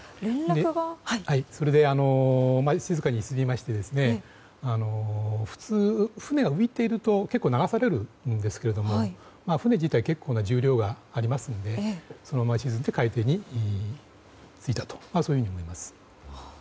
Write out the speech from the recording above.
それで静かに沈みまして普通、船は浮いていると結構流されるんですが船自体結構な重量がありますのでそのまま沈んで海底についたということだと思います。